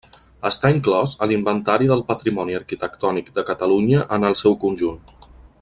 Està inclòs a l'Inventari del Patrimoni Arquitectònic de Catalunya en el seu conjunt.